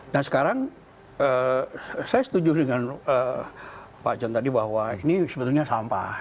dan sekarang saya setuju dengan pak john tadi bahwa ini sebetulnya sampah